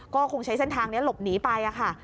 ก็คงใช้เส้นทางนี้หลบหนีไปค่ะ